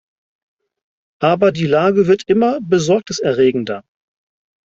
Aber die Lage wird immer besorgniserregender.